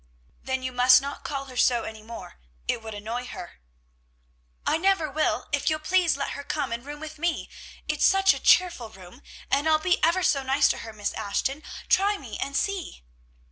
"Then you must not call her so any more. It would annoy her." "I never will if you'll please let her come and room with me. It's such a cheerful room, and I'll be ever so nice to her, Miss Ashton; try me, and see."